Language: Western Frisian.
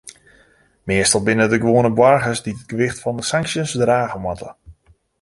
Meastal binne it de gewoane boargers dy't it gewicht fan de sanksjes drage moatte.